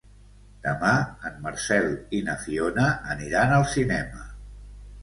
Demà en Marcel i na Fiona aniran al cinema.